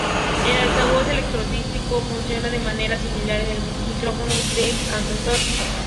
El altavoz electrostático funciona de manera similar al micrófono de condensador.